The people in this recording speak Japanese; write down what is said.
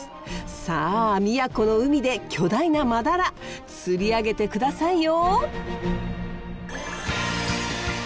さあ宮古の海で巨大なマダラ釣り上げて下さいよ。